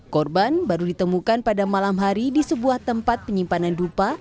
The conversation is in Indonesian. korban baru ditemukan pada malam hari di sebuah tempat penyimpanan dupa